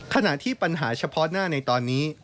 ขณะที่ปัญหาเฉพาะหน้าในตอนนี้